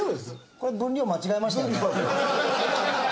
これ分量間違えましたよね？